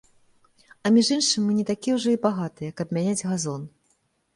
А між іншым, мы не такія ўжо і багатыя, каб мяняць газон.